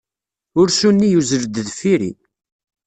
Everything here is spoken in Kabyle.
Ursu-nni yuzzel-d deffir-i.